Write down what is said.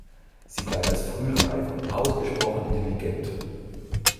Sie galt als frühreif und ausgesprochen intelligent.